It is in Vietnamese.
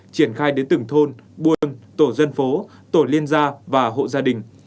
triển khai đến từng thôn buôn tổ dân phố tổ liên gia và hộ gia đình